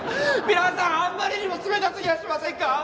皆さんあんまりにも冷たすぎやしませんか？